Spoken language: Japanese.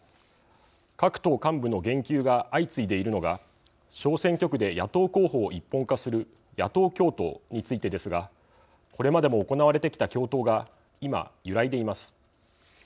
各党幹部の言及が相次いでいるのが小選挙区で野党候補を一本化する野党共闘についてですがこれまでも行われてきた共闘が今、揺らいでいます。